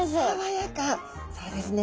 そうですね。